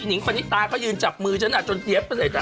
หญิงปณิตาเขายืนจับมือฉันจนเย็บไปใส่ตาม